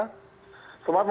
selamat malam pak kapitra